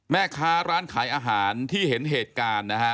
แม่ค้าร้านขายอาหารที่เห็นเหตุการณ์นะฮะ